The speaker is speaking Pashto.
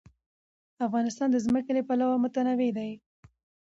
افغانستان د ځمکه له پلوه متنوع دی.